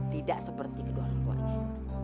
tidak seperti kedua orang tuanya